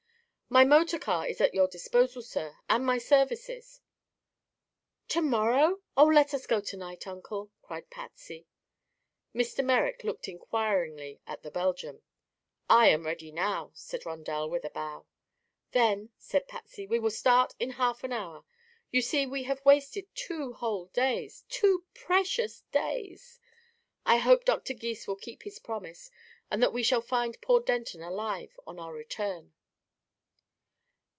"My motor car is at your disposal, sir, and my services." "To morrow? Oh, let us go to night, Uncle!" cried Patsy. Mr. Merrick looked inquiringly at the Belgian. "I am ready now," said Rondel with a bow. "Then," said Patsy, "we will start in half an hour. You see, we have wasted two whole days two precious days! I hope Dr. Gys will keep his promise, and that we shall find poor Denton alive on our return."